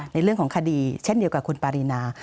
ในเรื่องของคดีเช่นเดียวกับคุณปารีนา